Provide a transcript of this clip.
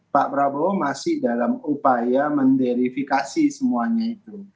pak prabowo masih dalam upaya menderifikasi semuanya itu